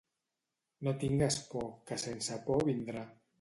No tingues por, que sense por vindrà.